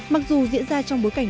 mặc dù diễn ra trong bối cảnh